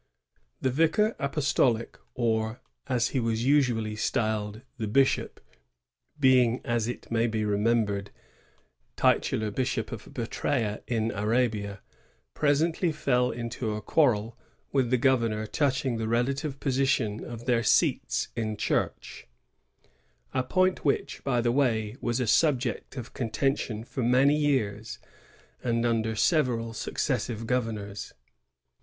The vicar apostolic, or, as he was usually styled, the bishop, being, it may be remembered, titular Bishop of Petrsda in Arabia, presentiy fell into a quarrel with the governor touching the relative posi tion of their seats in church, — a point which, by the way, was a subject of contention for many years, and under several successive governors.